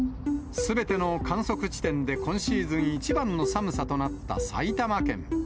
すべての観測地点で今シーズン一番の寒さとなった埼玉県。